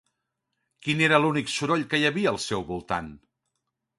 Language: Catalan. Quin era l'únic soroll que hi havia al seu voltant?